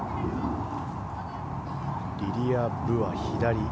リリア・ブは左。